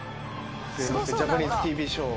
ジャパニーズＴＶショー。